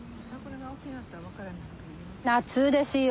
夏ですよ。